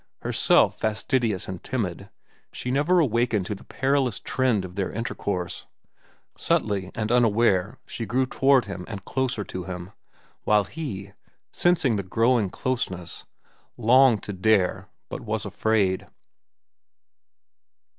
Herself fastidious and timid, she never awakened to the perilous trend of their intercourse. Subtly and unaware she grew toward him and closer to him, while he, sensing the growing closeness, longed to dare but was afraid.